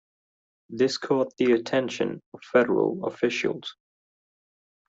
This caught the attention of federal officials.